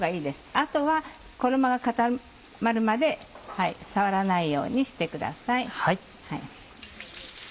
あとは衣が固まるまで触らないようにしてください。